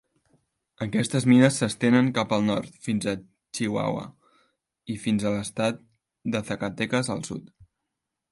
Aquestes mines s'estenen cap al nord fins a Chihuahua i fins a l'estat de Zacatecas al sud.